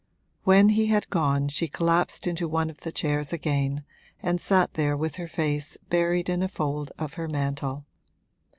When he had gone she collapsed into one of the chairs again and sat there with her face buried in a fold of her mantle.